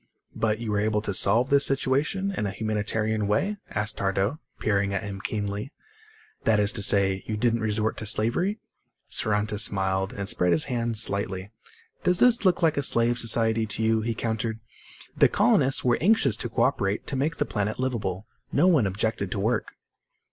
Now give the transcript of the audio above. "But you were able to solve this situation in a humanitarian way?" asked Tardo, peering at him keenly. "That is to say, you didn't resort to slavery?" Saranta smiled and spread his hands slightly. "Does this look like a slave society to you?" he countered. "The colonists were anxious to co operate to make the planet liveable. No one objected to work."